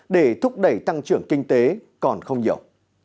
để thúc đẩy tăng trưởng kinh tế còn không nhiều